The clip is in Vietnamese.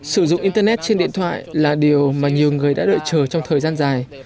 sử dụng internet trên điện thoại là điều mà nhiều người đã đợi chờ trong thời gian dài